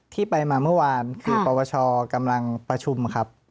ที่ไปมาเมื่อวานคือปวชกำลังประชุมครับ